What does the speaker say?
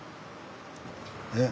え？